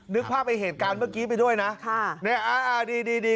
นึกภาพไอ้เหตุการณ์เมื่อกี้ไปด้วยนะค่ะเนี่ยอ่าอ่าดีดี